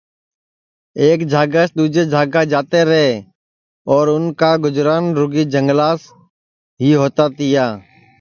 ایک جھاگاس دؔوجی جھاگا جاتے رے اور اِن کا گُجران رُگی جھنگاس ہی ہؤتا تیا